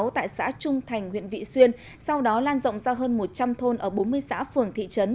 tại xã trung thành huyện vị xuyên sau đó lan rộng ra hơn một trăm linh thôn ở bốn mươi xã phường thị trấn